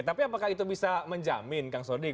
tapi apakah itu bisa menjamin kang sodik